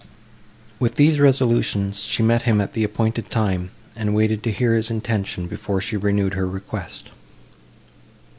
With these resolutions she met him at the appointed time, and waited to hear his intention before she renewed her request.